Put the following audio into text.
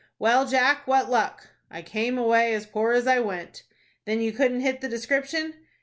"Well, Jack, what luck?" "I came away as poor as I went." "Then you couldn't hit the description?"